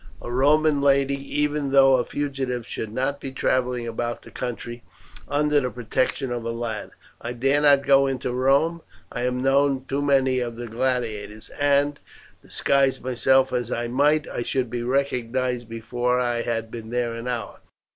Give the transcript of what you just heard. A Roman lady, even though a fugitive, should not be travelling about the country under the protection of a lad. I dare not go into Rome. I am known to too many of the gladiators, and, disguise myself as I might, I should be recognized before I had been there an hour.